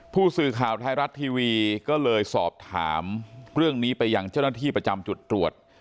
ผู้สื่อข่าวไทยรัฐทีวีก็เลยสอบถามเรื่องนี้ไปยังเจ้าหน้าที่ประจำจุดตรวจ